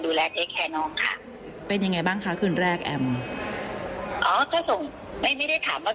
เอ๊แคร์น้องค่ะเป็นยังไงบ้างคะคืนแรกแอมอ๋อก็ส่งไม่ไม่ได้ถามว่า